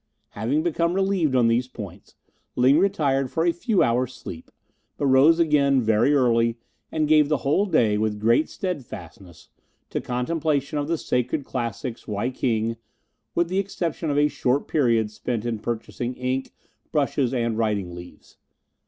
Having become relieved on these points, Ling retired for a few hours' sleep, but rose again very early, and gave the whole day with great steadfastness to contemplation of the sacred classics Y King, with the exception of a short period spent in purchasing ink, brushes and writing leaves.